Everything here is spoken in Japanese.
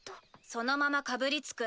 そのままかぶりつく。